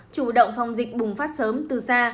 chủ động phòng dịch bùng phát sớm từ xa